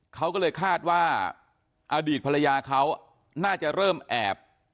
เขาก็เลยคาดว่าอดีตภรรยาเขาน่าจะเริ่มแอบ